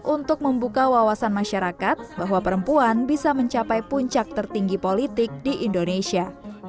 untuk membuka wawasan masyarakat bahwa perempuan bisa mencapai puncak tertinggi politik di indonesia